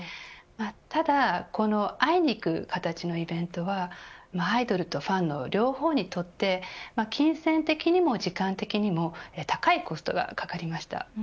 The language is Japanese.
ただこの会いに行く形のイベントはアイドルとファンの両方にとって金銭的にも時間的にも高いコストがかかりました。